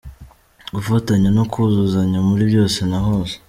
– Gufatanya no kuzuzanya muri byose na hose;